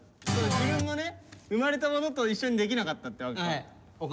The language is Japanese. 自分のね生まれたものと一緒にできなかったってわけか。